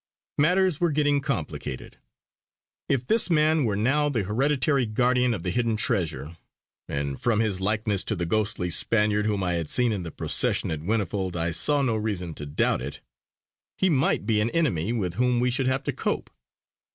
Matters were getting complicated. If this man were now the hereditary guardian of the hidden treasure and from his likeness to the ghostly Spaniard whom I had seen in the procession at Whinnyfold I saw no reason to doubt it he might be an enemy with whom we should have to cope.